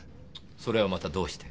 そりゃまたどうして？